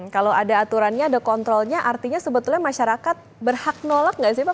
kalau ada aturannya ada kontrolnya artinya sebetulnya masyarakat berhak nolak gak sih pak